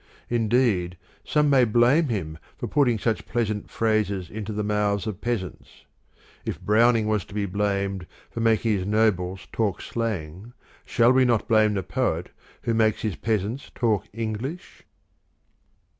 Indeed, some may blame him for putting such pleasant phrases into the mouths of peasants. If Browning was to be blamed for making his nobles talk slang, shall we not blame the poet who makes his peasants talk English?